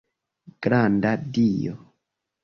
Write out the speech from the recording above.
Granda Dio!